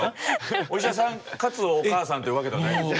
お医者さんかつお母さんというわけではないんですよ。